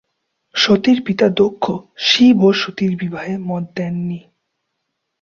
সতীর পিতা দক্ষ শিব ও সতীর বিবাহে মত দেননি।